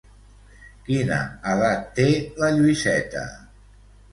Quina edat té la Lluïseta?